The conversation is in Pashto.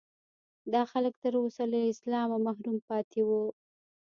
دا خلک تر اوسه له اسلامه محروم پاتې وو.